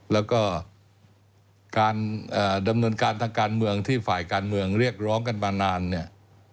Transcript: แล้วก็การดำเนินการทางการเมืองที่ฝ่ายการเมืองเรียกร้องกันมานานเนี่ย